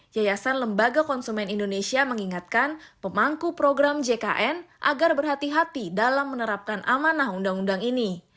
yayasan lembaga konsumen indonesia mengingatkan pemangku program jkn agar berhati hati dalam menerapkan amanah undang undang ini